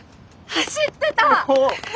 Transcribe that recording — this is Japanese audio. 走ってた！